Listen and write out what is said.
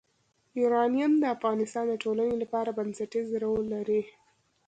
یورانیم د افغانستان د ټولنې لپاره بنسټيز رول لري.